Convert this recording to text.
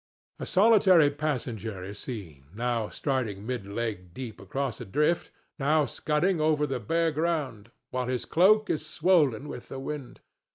A solitary passenger is seen, now striding mid leg deep across a drift, now scudding over the bare ground, while his cloak is swollen with the wind.